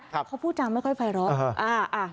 เขาพูดจำไม่ค่อยไปแล้ว